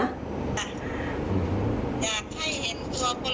อยากให้เห็นตัวคนร้ายอ่ะ